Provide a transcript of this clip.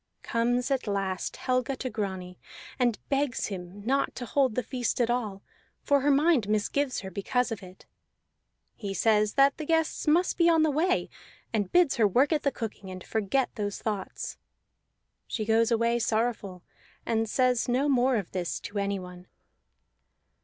Comes at last Helga to Grani, and begs him not to hold the feast at all, for her mind misgives her because of it. He says that the guests must be on the way, and bids her work at the cooking, and forget those thoughts. She goes away sorrowful, and says no more of this to anyone.